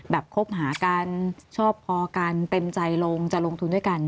คบหากันชอบพอกันเต็มใจลงจะลงทุนด้วยกัน